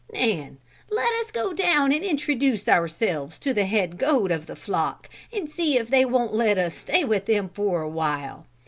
"Nan, let us go down and introduce ourselves to the head goat of the flock and see if they won't let us stay with them for awhile.